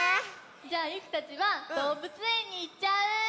じゃあゆきたちはどうぶつえんにいっちゃう？